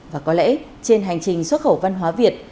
và có lẽ trên hành trình xuất khẩu văn hóa việt